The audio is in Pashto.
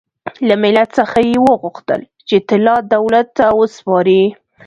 له ملت څخه یې وغوښتل چې طلا دولت ته وسپاري.